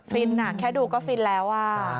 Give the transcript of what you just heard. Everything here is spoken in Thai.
ฟินแค่ดูก็ฟินแล้ว